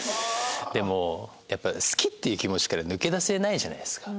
でもやっぱ好きっていう気持ちから抜け出せないじゃないですか。